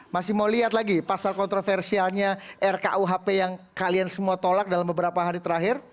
masih mau lihat lagi pasal kontroversialnya rkuhp yang kalian semua tolak dalam beberapa hari terakhir